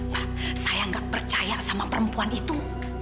pak saya gak percaya sama perempuan itu